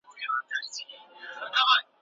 ایا د روغتون تر څنګ بیروبار نن کم شوی دی؟